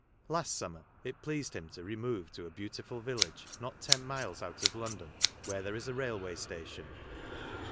Last summer it pleased him to remove to a beautiful village not ten miles out of London, where there is a railway station.